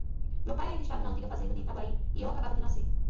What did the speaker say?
meu pai ainda estava na antiga fazenda de Itaguaí, e eu acabava de nascer.